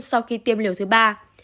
sau khi tiêm liều thứ ba